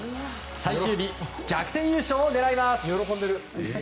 最終日、逆転優勝を狙います。